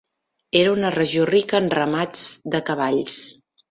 Era una regió rica en ramats de cavalls.